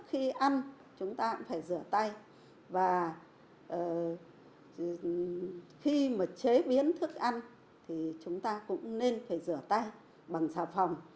khi ăn chúng ta cũng phải rửa tay và khi mà chế biến thức ăn thì chúng ta cũng nên phải rửa tay bằng xà phòng